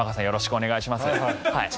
よろしくお願いします。